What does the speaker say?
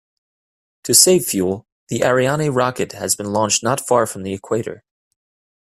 To save fuel, the Ariane rocket has been launched not far from the equator.